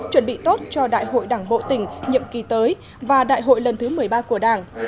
chuẩn bị tốt cho đại hội đảng bộ tỉnh nhiệm kỳ tới và đại hội lần thứ một mươi ba của đảng